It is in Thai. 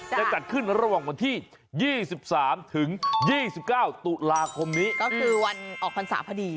จะจัดขึ้นระหว่างวันที่๒๓ถึง๒๙ตุลาคมนี้ก็คือวันออกพรรษาพอดี